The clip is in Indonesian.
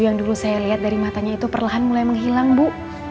yang dulu saya lihat dari matanya itu perlahan mulai menghilang bu